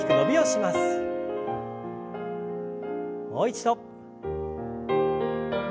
もう一度。